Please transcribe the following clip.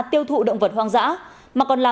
tiêu thụ động vật hoang dã mà còn là